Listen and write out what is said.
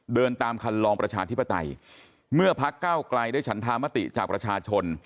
เดินตามคันลองประชาธิปไตยเมื่อพักเก้าไกลได้ฉันธามติจากประชาชน